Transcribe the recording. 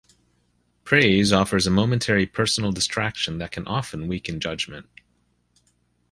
Praise offers a momentary personal distraction that can often weaken judgment.